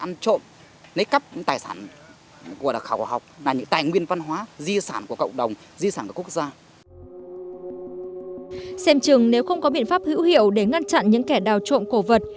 nhưng nếu không có biện pháp hữu hiệu để ngăn chặn những kẻ đào trộm cổ vật